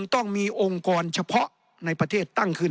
ต้องมีองค์กรเฉพาะในประเทศตั้งขึ้น